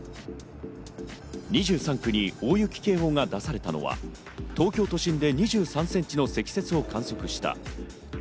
２３区に大雪警報が出されたのは東京都心で２３ｃｍの積雪を観測した